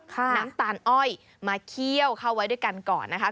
น้ำตาลอ้อยมาเคี่ยวเข้าไว้ด้วยกันก่อนนะคะ